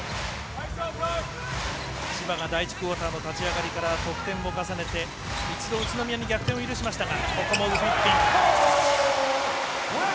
千葉が第１クオーター立ち上がりから得点を重ねて一度、宇都宮に逆転を許しましたが。